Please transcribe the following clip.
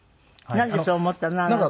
なんでそう思ったの？